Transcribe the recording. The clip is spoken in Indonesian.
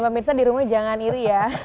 mbak mirsa di rumahnya jangan iri ya